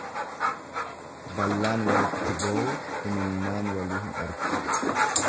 Ballaan walitti boowu imimmaan walii hin argu.